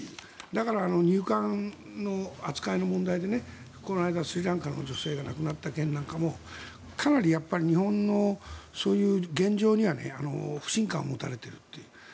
だから、入管の扱いの問題でこの間、スリランカの女性が亡くなった件なんかもかなり日本のそういう現状には不信感を持たれているという。